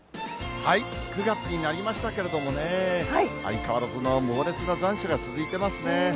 ９月になりましたけれどもね、相変わらずの猛烈な残暑が続いてますね。